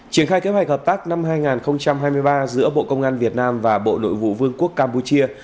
triển khai kế hoạch hợp tác năm hai nghìn hai mươi ba giữa bộ công an việt nam và bộ nội vụ vương quốc campuchia